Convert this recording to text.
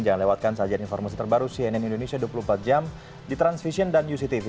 jangan lewatkan sajian informasi terbaru cnn indonesia dua puluh empat jam di transvision dan uctv